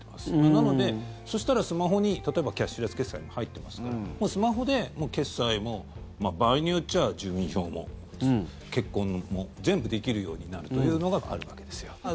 なので、そしたらスマホに例えばキャッシュレス決済も入ってますからスマホで決済も場合によっちゃ住民票も移す結婚も全部できるようになるというのがあるわけですよ。